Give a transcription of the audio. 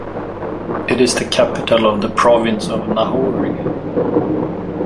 It is the capital of the province of Nahouri.